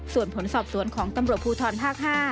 ส่วนผลสอบสวนของตำรวจภูทรภาค๕